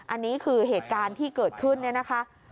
อันนี้คือเหตุการณ์ที่เกิดขึ้นเนี่ยนะคะ